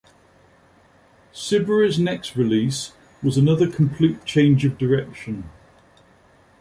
Siberry's next release was another complete change of direction.